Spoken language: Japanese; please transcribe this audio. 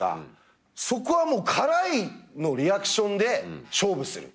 そこはもう辛いのリアクションで勝負する。